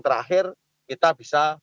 terakhir kita bisa